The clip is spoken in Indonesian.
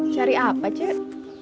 cari apa cik